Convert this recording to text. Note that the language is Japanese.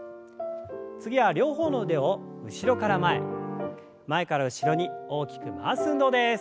次は両方の腕を後ろから前前から後ろに大きく回す運動です。